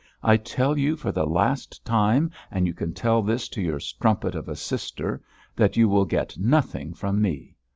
I tell you for the last time, and you can tell this to your strumpet of a sister, that you will get nothing from me.